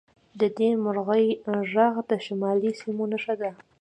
د دې مرغۍ غږ د شمالي سیمو نښه ده